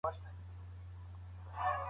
ظلم په قیامت کې د پښېمانۍ سبب ګرځي.